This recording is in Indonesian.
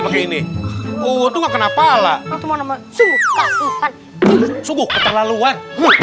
pakai ini itu nggak kenapa lah itu mau nama sungguh sungguh petah laluan